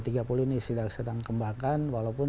ini sedang kembangkan walaupun